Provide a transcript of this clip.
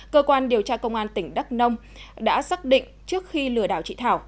cơ quan điều tra công an tỉnh đắk nông đã xác định trước khi lừa đảo chị thảo